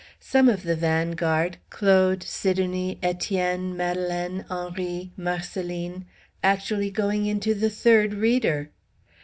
Some of the vanguard Claude, Sidonie, Étienne, Madelaine, Henri, Marcelline actually going into the Third Reader.